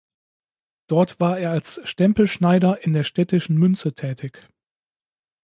Dort war er als Stempelschneider in der städtischen Münze tätig.